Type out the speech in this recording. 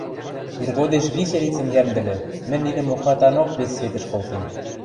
Иргодеш виселицӹм йӓмдӹлӹ, мӹнь нинӹм охатанок вес светӹш колтем.